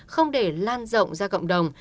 không để lan rộng ra cộng đồng